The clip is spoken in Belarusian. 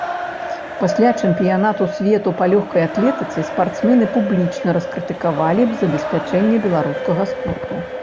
Пасля чэмпіянату свету па лёгкай атлетыцы спартсмены публічна раскрытыкавалі забеспячэнне беларускага спорту.